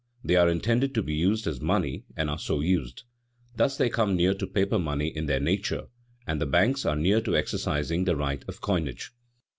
They are intended to be used as money and are so used. Thus they come near to paper money in their nature, and the banks are near to exercising the right of coinage.